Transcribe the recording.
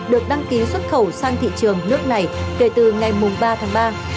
được đăng ký xuất khẩu sang thị trường nước này kể từ ngày ba tháng ba